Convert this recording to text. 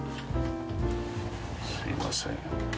すみません。